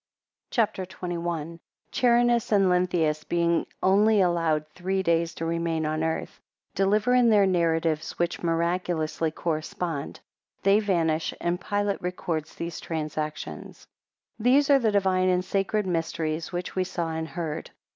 CHAPTER XXI. 1 Charinus and Lenthius being only allowed three days to remain on earth, 7 deliver in their narratives, which miraculously correspond; they vanish, 13 and Pilate records these transactions. THESE are the divine and sacred mysteries which we saw and heard.